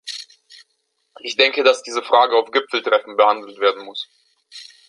Ich denke, dass diese Frage auf Gipfeltreffen behandelt werden muss.